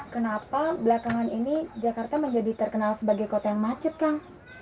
kenapa belakangan ini jakarta menjadi terkenal sebagai kota yang macet kang